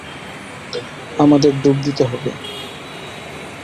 আমাদের ডুব দিতে হবে।